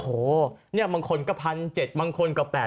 โอ้โหบางคนก็๑๗๐๐บางคนก็๘๐๐